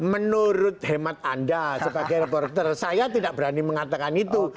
menurut hemat anda sebagai reporter saya tidak berani mengatakan itu